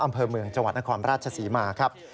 อำเภอเมืองจังหวัดนครราชศรีมาครับ